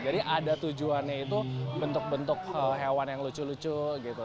jadi ada tujuannya itu bentuk bentuk hewan yang lucu lucu gitu